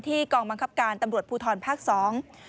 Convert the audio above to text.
ที่กองบังคับการตำรวจภูทรภัษฐ์สอง